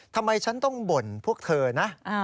ทำไมฉันต้องบ่นพวกเธอนะ